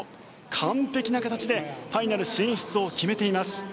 完璧な形でファイナル進出を決めています。